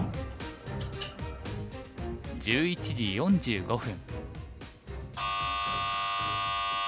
１１時４５分。